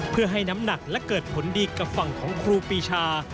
เพื่อให้น้ำหนักและเกิดผลดีกับฝั่งของครูปีชา